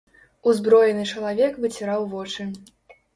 Узброены чалавек выціраў вочы.